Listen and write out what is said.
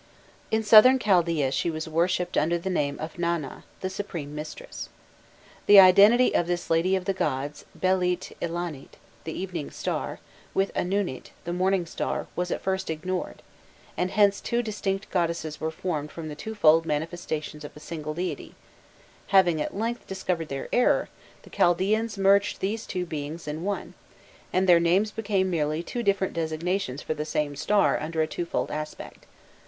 In Southern Chaldaea she was worshipped under the name of Nana, the supreme mistress.* The identity of this lady of the gods, "Belit ilanit," the Evening Star, with Anunit, the Morning Star, was at first ignored, and hence two distinct goddesses were formed from the twofold manifestation of a single deity: having at length discovered their error, the Chaldaeans merged these two beings in one, and their names became merely two different designations for the same star under a twofold aspect.